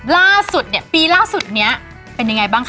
รายได้เดือนที่แล้วสูงสุดอยู่ที่๒ล้านบาท